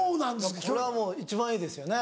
これはもう一番いいですよね。